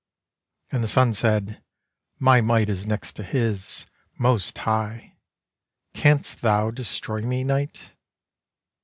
And the Sun said, 'My might Is next to His, Most High; Canst thou destroy me, Night?